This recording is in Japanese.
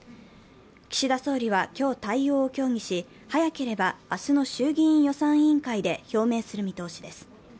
岸田総理は今日、対応を協議し、早ければ明日の衆議院予算委員会で表明する見通しです。